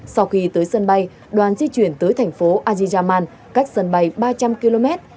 sau khi tới sân bay đoàn di chuyển tới thành phố ajiyaman cách sân bay ba trăm linh km